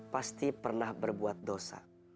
pasti pernah berbuat dosa